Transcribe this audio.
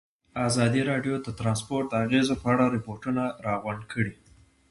ازادي راډیو د ترانسپورټ د اغېزو په اړه ریپوټونه راغونډ کړي.